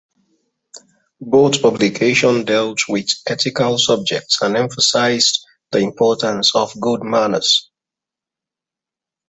Both publications dealt with ethical subjects and emphasized the importance of good manners.